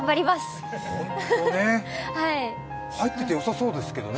本当ね、入っててよさそうですけどね。